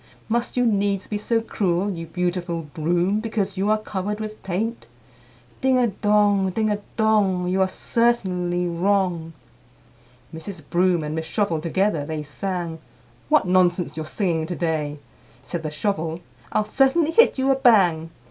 Must you needs be so cruel, you beautiful Broom, Because you are covered with paint? Ding a dong, ding a dong! You are certainly wrong." IV. Mrs. Broom and Miss Shovel together they sang, "What nonsense you're singing to day!" Said the Shovel, "I'll certainly hit you a bang!"